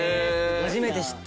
初めて知った。